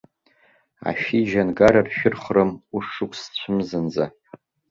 Ашәыџьангара ршәырхрым ушықәсцәымзанӡа.